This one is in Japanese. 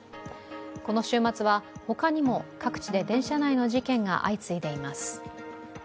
この週末は他にも各地で電車内の事件が相次いでいます。